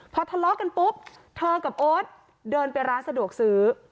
พอทะเลาะกันปุ๊บเธอกับโอ๊ตเดินไปร้านสะดวกซื้อ